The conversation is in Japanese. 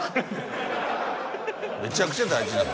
めちゃくちゃ大事な。